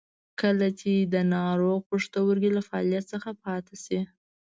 کله چې د ناروغ پښتورګي له فعالیت څخه پاتې شي.